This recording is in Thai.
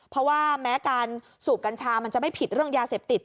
เพราะว่าแม้การสูบกัญชามันจะไม่ผิดเรื่องยาเสพติด